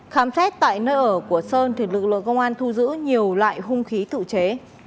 khám xét tại nơi ở của sơn lực lượng công an thu giữ nhiều loại hung khí tự chế